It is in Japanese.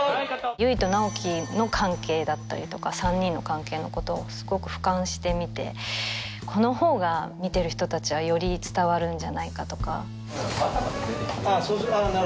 悠依と直木の関係だったりとか３人の関係のことをすごくふかんして見てこの方が見てる人達はより伝わるんじゃないかとかさっと出てきてそうする？